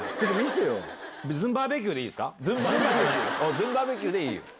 ズンバーベキューでいいよ。